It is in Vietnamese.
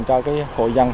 cho người dân